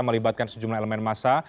melibatkan sejumlah elemen massa